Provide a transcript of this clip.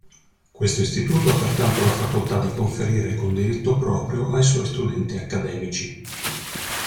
Questo Istituto ha pertanto la facoltà di conferire con diritto proprio ai suoi studenti accademici.